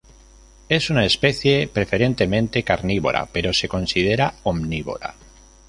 Es una especie preferentemente carnívora, pero se considera omnívora.